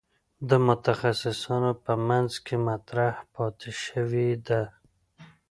د متخصصانو په منځ کې مطرح پاتې شوې ده.